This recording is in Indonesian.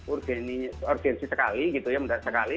urgensi sekali gitu ya mendak sekali